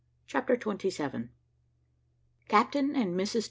CHAPTER TWENTY SEVEN. CAPTAIN AND MRS.